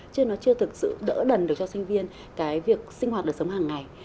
chứ nó chưa thực sự đỡ đần được cho sinh viên cái việc sinh hoạt đời sống hàng ngày